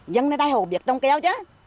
dân này đã hổ biết trong kéo chứ